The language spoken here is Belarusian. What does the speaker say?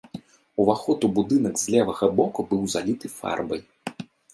Уваход у будынак з левага боку быў заліты фарбай.